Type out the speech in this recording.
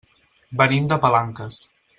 Venim de Palanques.